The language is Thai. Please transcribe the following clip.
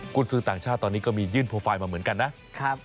คุณซื้อต่างชาติตอนนี้ก็มียื่นโปรไฟล์มาเหมือนกันนะครับ